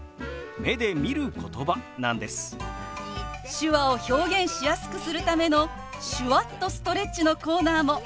手話を表現しやすくするための「手話っとストレッチ」のコーナーも。